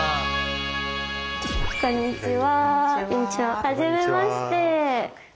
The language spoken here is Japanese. こんにちは。